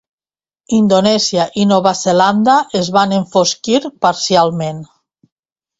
Indonèsia i Nova Zelanda es van enfosquir parcialment.